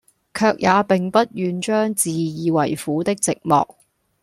卻也並不願將自以爲苦的寂寞，